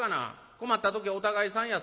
困った時はお互いさんや。